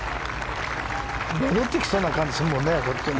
戻ってきそうな感じがするもんね。